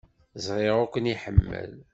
Ẓriɣ ur ken-iḥemmel.